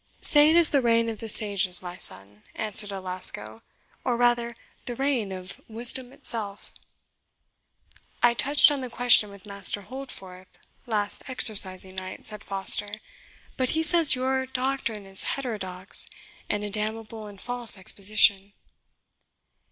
"Say it is the reign of the Sages, my son," answered Alasco; "or rather the reign of Wisdom itself." "I touched on the question with Master Holdforth last exercising night," said Foster; "but he says your doctrine is heterodox, and a damnable and false exposition."